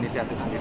ini sehat sendiri